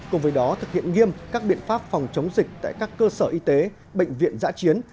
cùng với đó thực hiện nghiêm các biện pháp phòng chống dịch tại các cơ sở y tế bệnh viện giã chiến